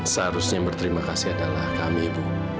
seharusnya berterima kasih adalah kami ibu